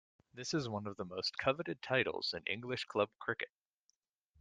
This is one of the most coveted titles in English club cricket.